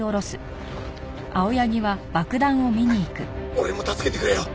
俺も助けてくれよ！